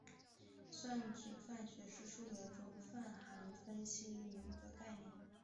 算子范数是数学中泛函分析里的概念。